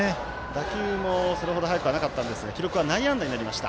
打球もそれほど速くなかったんですが記録は内野安打となりました。